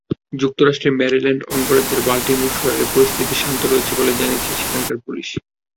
যুক্তরাষ্ট্রের মেরিল্যান্ড অঙ্গরাজ্যের বাল্টিমোর শহরের পরিস্থিতি শান্ত রয়েছে বলে জানিয়েছে সেখানকার পুলিশ।